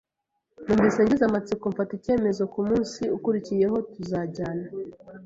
numvise ngize amatsiko mfata icyemezo ko kumunsi ukurikiyeho tuzajyana.